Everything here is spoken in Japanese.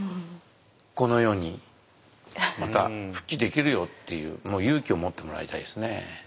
このようにまた復帰できるよっていうもう勇気を持ってもらいたいですね。